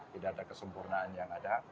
tidak ada kesempurnaan yang ada